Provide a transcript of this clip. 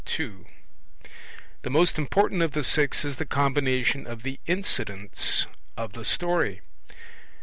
II. The most important of the six is the combination of the incidents of the story.